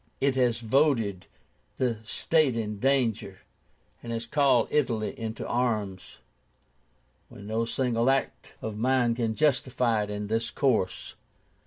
It has voted the state in danger, and has called Italy to arms, when no single act of mine can justify it in this course."